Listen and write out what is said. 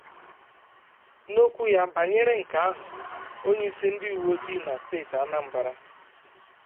N'okwu ya banyere nke ahụ onyeisi ndị uweojii na steeti Anambra